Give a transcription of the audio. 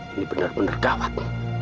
ini bener bener gawat